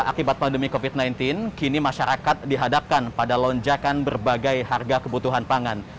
akibat pandemi covid sembilan belas kini masyarakat dihadapkan pada lonjakan berbagai harga kebutuhan pangan